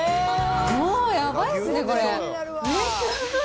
もうやばいっすね、これ！